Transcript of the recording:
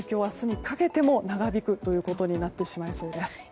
明日にかけても長引くということになってしまいそうです。